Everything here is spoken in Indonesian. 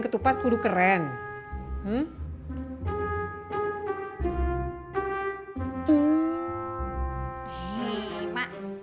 sedar juga enak phtm dua